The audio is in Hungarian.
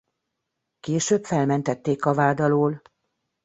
Később felmentették a vád alól.